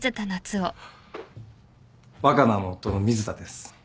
若菜の夫の水田です。